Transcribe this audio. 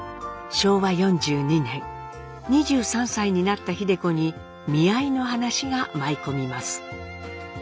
昭和４２年２３歳になった秀子に見合いの話が舞い込みます。